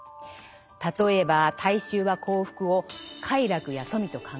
例えば大衆は幸福を「快楽」や「富」と考える。